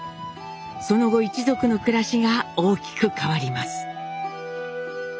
その後一族の暮らしが大きく変わります。